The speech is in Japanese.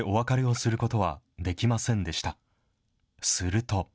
すると。